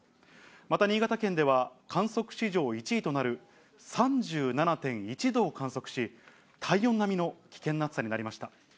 また新潟県では、観測史上１位となる３７．１度を観測し、体温並みの危険な暑さになりました。